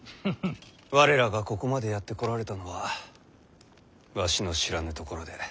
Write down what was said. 我らがここまでやってこられたのはわしの知らぬところで